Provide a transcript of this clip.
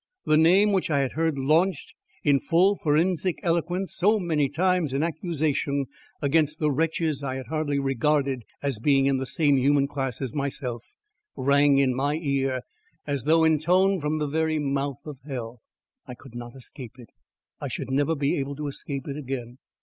the name which I had heard launched in full forensic eloquence so many times in accusation against the wretches I had hardly regarded as being in the same human class as myself, rang in my ear as though intoned from the very mouth of hell. I could not escape it. I should never be able to escape it again.